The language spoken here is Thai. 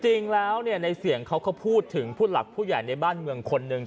จริงแล้วในเสียงเขาก็พูดถึงผู้หลักผู้ใหญ่ในบ้านเมืองคนหนึ่ง